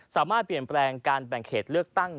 สามารถเปลี่ยนแปลงการแบ่งเขตเลือกตั้ง